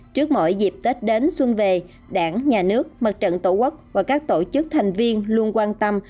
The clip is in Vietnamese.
trước mọi dịp tết đến xuân về đảng nhà nước mặt trận tổ quốc và các tổ chức thành viên luôn quan tâm